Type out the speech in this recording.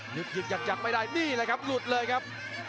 หยุดหยุดหยัดหยัดไม่ได้นี่แหละครับหลุดเลยครับ